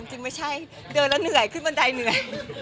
จริงไม่ใช่เดินแล้วเหนื่อยขึ้นบันไดเหนื่อย